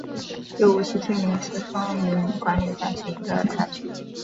由五十七名司铎名管理三十一个堂区。